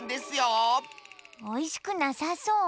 おいしくなさそう。